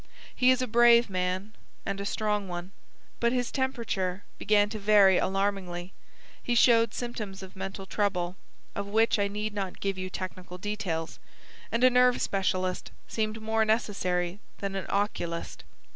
He is a brave man and a strong one. But his temperature began to vary alarmingly; he showed symptoms of mental trouble, of which I need not give you technical details; and a nerve specialist seemed more necessary than an oculist.